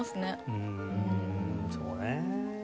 うんそうね。